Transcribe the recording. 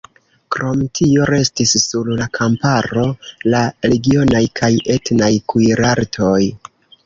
Krom tio restis sur la kamparo la regionaj kaj etnaj kuirartoj.